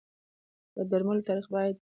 د درملو تاریخ باید تېر نه وي.